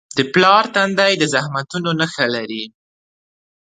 د پلار تندی د زحمتونو نښه لري.